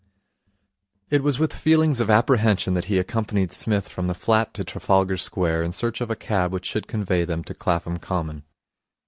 It was with feelings of apprehension that he accompanied Psmith from the flat to Trafalgar Square in search of a cab which should convey them to Clapham Common.